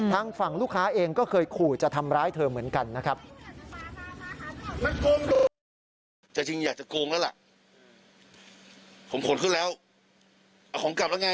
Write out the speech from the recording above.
ทางฝั่งลูกค้าเองก็เคยขู่จะทำร้ายเธอเหมือนกันนะครับ